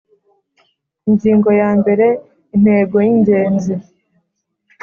Ingingo ya mbere Intego y ingenzi